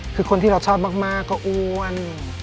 คือคนที่เราชอบมากก็อ้วน